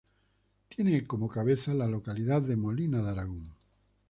Tiene como cabeza la localidad de Molina de Aragón.